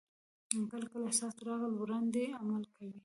کله کله احساس تر عقل وړاندې عمل کوي.